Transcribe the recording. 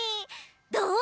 どう？